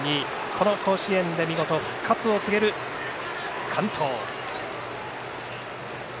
この甲子園で見事復活を告げる完投。